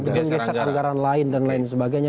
bisa geser anggaran lain dan lain sebagainya